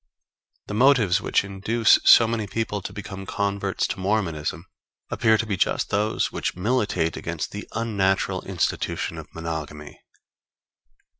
The motives which induce so many people to become converts to Mormonism appear to be just those which militate against the unnatural institution of monogamy.